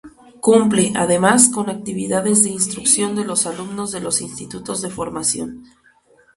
Cumple, además, con actividades de instrucción de los alumnos de los Institutos de formación.